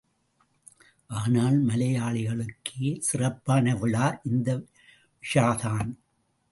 ஆனால் மலையாளிகளுக்கே சிறப்பான விழா இந்த விஷு தான்.